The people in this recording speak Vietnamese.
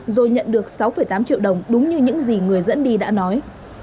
rồi nhận được sáu tám triệu đồng đúng như những gì người dẫn đi đã nói